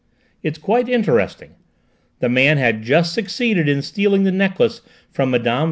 It's quite interesting! The man had just succeeded in stealing the necklace from Mme.